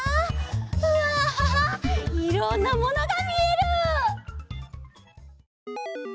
うわいろんなものがみえる！